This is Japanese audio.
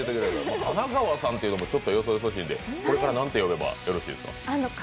金川さんと言うのもよそよそしいので、これからなんて呼べばよろしいですか？